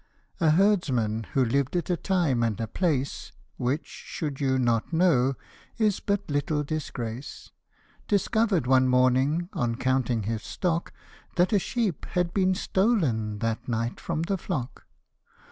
A HERDSMAN, who lived at a time and a place Which, should you not know, is but little disgrace, Discover'd one morning, on counting his stock, That a sheep had been stolen that night from the flock.